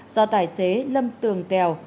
do tài xế lâm tường tèo